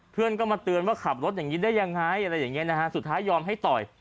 เพื่อนก็มาเตือนว่าขับรถอย่างนี้ได้ยังไงสุดท้ายยอมให้ต่อย